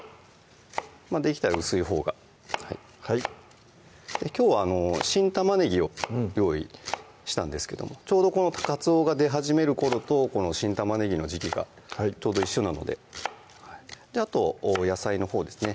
できたら薄いほうがはいきょうは新玉ねぎを用意したんですけどもちょうどこのかつおが出始める頃とこの新玉ねぎの時季がちょうど一緒なのであと野菜のほうですね